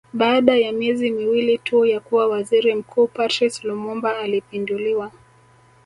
Baada ya miezi miwili tu ya kuwa Waziri Mkuu Patrice Lumumba alipinduliwa